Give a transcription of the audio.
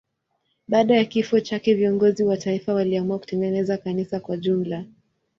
Baada ya kifo chake viongozi wa taifa waliamua kutengeneza kanisa kwa jumla.